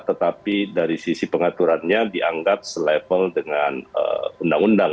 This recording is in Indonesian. tetapi dari sisi pengaturannya dianggap selevel dengan undang undang